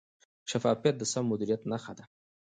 شفافیت د سم مدیریت نښه ده.